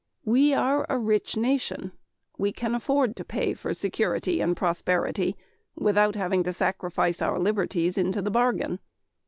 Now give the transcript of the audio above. We are a rich Nation; we can afford to pay for security and prosperity without having to sacrifice our liberties into the bargain.